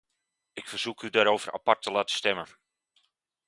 Ik verzoek u daarover apart te laten stemmen.